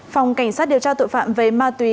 phòng cảnh sát điều tra tội phạm về ma túy